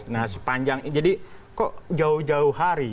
nah sepanjang jadi kok jauh jauh hari